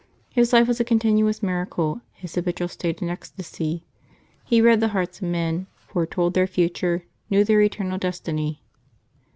His life was a continuous miracle, his habitual state an ecstasy. He read the hearts of men, foretold their future, knew their eternal destiny.